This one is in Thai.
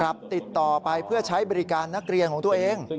ติดต่อไปเพื่อใช้บริการนักเรียนของตัวเอง